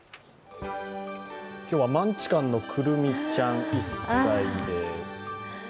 今日はマンチカンのくるみちゃん１歳です。